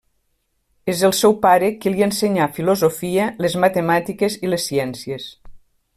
És el seu pare qui li ensenyà filosofia, les matemàtiques i les ciències.